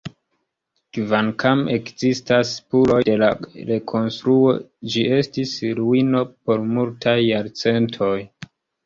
Kvankam ekzistas spuroj de la rekonstruo, ĝi estis ruino por multaj jarcentoj.